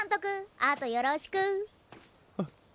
あとよろしく。